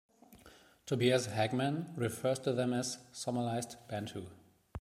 Tobias Hagmann refers to them as "Somalised Bantu".